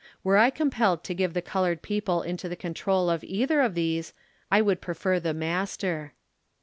Were I compelled to give the col ored people into the control of either of these, I would prefer the master.